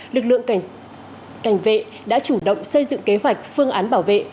lực lượng cảnh vệ đã chủ động xây dựng kế hoạch phương án bảo vệ